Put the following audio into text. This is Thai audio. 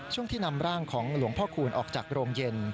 ช่วงที่นำร่างของหลวงพ่อคูณออกจากโรงเย็น